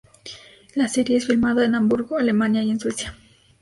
La serie es filmada en Hamburgo, Alemania y en Suecia.